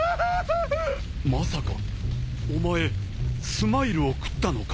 まさかお前ＳＭＩＬＥを食ったのか！？